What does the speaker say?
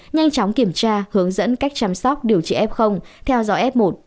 nhanh chóng kiểm tra hướng dẫn cách chăm sóc điều trị f theo dõi f một